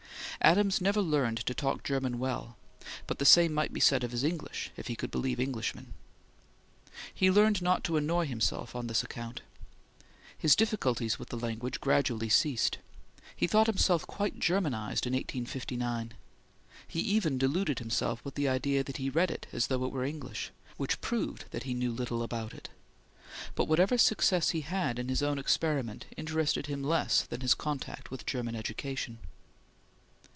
Adams never learned to talk German well, but the same might be said of his English, if he could believe Englishmen. He learned not to annoy himself on this account. His difficulties with the language gradually ceased. He thought himself quite Germanized in 1859. He even deluded himself with the idea that he read it as though it were English, which proved that he knew little about it; but whatever success he had in his own experiment interested him less than his contact with German education.